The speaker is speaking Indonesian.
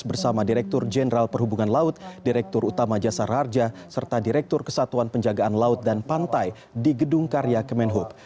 bersama direktur jenderal perhubungan laut direktur utama jasar harja serta direktur kesatuan penjagaan laut dan pantai di gedung karya kemenhub